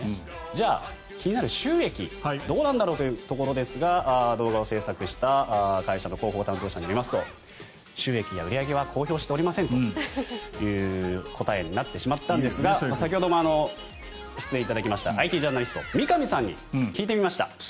じゃあ、気になる収益どうなんだろうというところですが動画を制作した会社の広報担当者によりますと収益や売り上げは公表しておりませんとなりましたが先ほども出演いただきましたＩＴジャーナリスト、三上さんに聞いてみました。